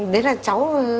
đấy là cháu